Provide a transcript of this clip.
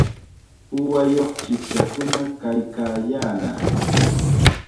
Uwayuq chipshakuna kaykaayaanaq.